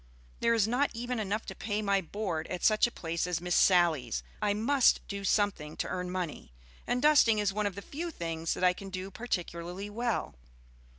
There is not even enough to pay my board at such a place as Miss Sally's. I must do something to earn money; and dusting is one of the few things that I can do particularly well."